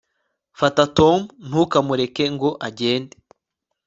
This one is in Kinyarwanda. fata tom ntukamureke ngo agende